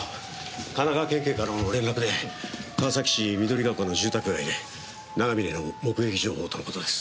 神奈川県警からの連絡で川崎市緑ヶ丘の住宅街で長嶺の目撃情報との事です。